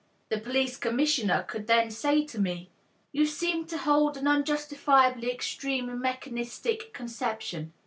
The police commissioner could then say to me: "You seem to hold an unjustifiably extreme mechanistic conception.